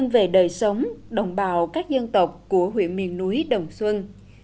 về đồng bào các dân tộc của huyện miền núi đồng xuân